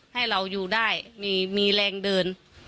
ให้เราอยู่ได้มีแรงเดิน